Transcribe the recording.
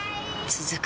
続く